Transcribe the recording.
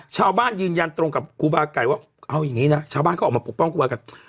ยืนยันตรงกับครูบาไก่ว่าเอาอย่างนี้นะชาวบ้านเขาออกมาปกป้องครูบาไก่